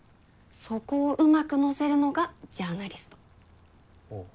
そこを上手く乗せるのがジャーナリスト。